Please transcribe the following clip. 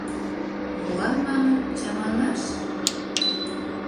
— Молан, маныт, чаманаш?